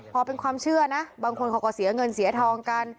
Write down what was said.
พอเป็นความเชื่อนะบางคนเขาก็เสียเงินเสียทองกัน